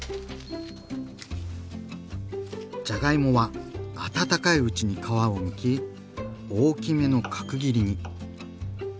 じゃがいもはあたたかいうちに皮をむき大きめの角切りに。